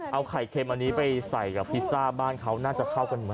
เอาไข่เค็มอันนี้ไปใส่กับพิซซ่าบ้านเขาน่าจะเข้ากันมาก